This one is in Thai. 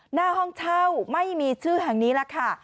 หน้าห้องเช่าไม่มีชื่อแห่งนี้แหละค่ะ